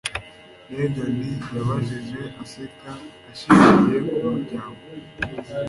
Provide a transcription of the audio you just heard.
Megan yabajije, aseka ashingiye ku muryango.